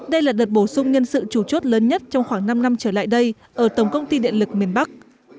đây là đợt bổ sung nhân sự chủ chốt lớn nhất trong khoảng năm năm trở lại đây ở tổng công ty điện lực miền bắc